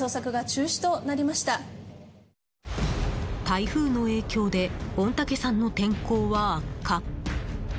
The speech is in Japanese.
台風の影響で御嶽山の天候は悪化。